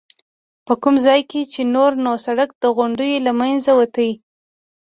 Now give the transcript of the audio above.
په کوم ځای کې چې نور نو سړک د غونډیو له منځه وتی.